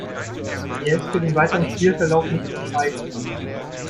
Er ist für den weiteren Spielverlauf nicht entscheidend.